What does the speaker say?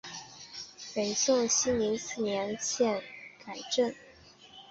北宋熙宁四年废县改镇。